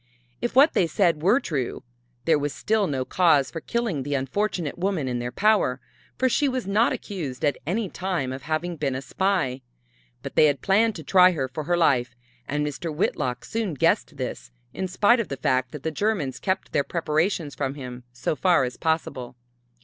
If what they said were true, there was still no cause for killing the unfortunate woman in their power, for she was not accused at any time of having been a spy. But they had planned to try her for her life, and Mr. Whitlock soon guessed this, in spite of the fact that the Germans kept their preparations from him so far as possible.